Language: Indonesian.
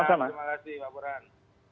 terima kasih pak murahan